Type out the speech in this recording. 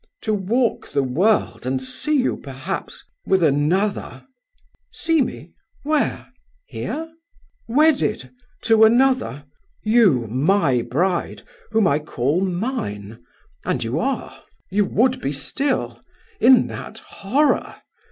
"To walk the world and see you perhaps with another!" "See me? Where? Here?" "Wedded ... to another. You! my bride; whom I call mine; and you are! You would be still in that horror!